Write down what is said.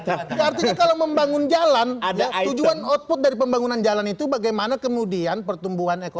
artinya kalau membangun jalan tujuan output dari pembangunan jalan itu bagaimana kemudian pertumbuhan ekonomi